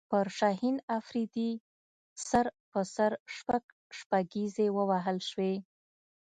پر شاهین افریدي سر په سر شپږ شپږیزې ووهل شوې